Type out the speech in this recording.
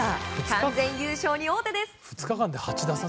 完全優勝に王手です。